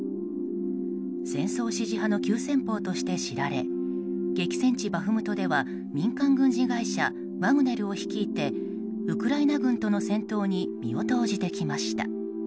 戦争支持派の急先鋒として知られ激戦地バフムトでは民間軍事会社ワグネルを率いてウクライナ軍との戦闘に身を投じてきました。